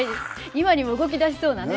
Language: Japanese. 今にも動き出しそうなね